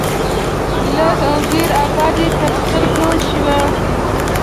لږ او ډېره ابادي تر سترګو شوه.